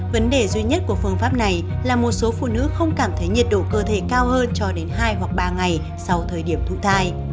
vấn đề duy nhất của phương pháp này là một số phụ nữ không cảm thấy nhiệt độ cơ thể cao hơn cho đến hai hoặc ba ngày sau thời điểm thụ thai